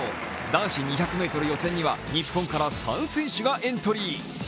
男子２００ｍ予選には日本から３選手がエントリー。